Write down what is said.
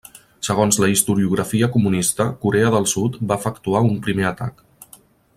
Segons la historiografia comunista Corea del Sud va efectuar un primer atac.